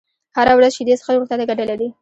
هره ورځ شيدې څښل روغتيا ته گټه لري